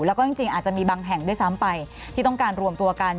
แล้วก็จริงอาจจะมีบางแห่งด้วยซ้ำไปที่ต้องการรวมตัวกัน